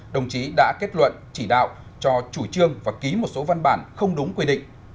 đồng chí đã kết luận chỉ đạo cho chủ trương và ký một số văn bản không đúng quy định